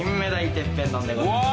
てっぺん丼でございます。